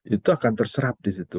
itu akan terserap di situ